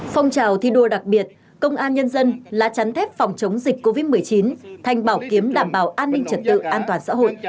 phong trào thi đua đặc biệt công an nhân dân lá chắn thép phòng chống dịch covid một mươi chín thành bảo kiếm đảm bảo an ninh trật tự an toàn xã hội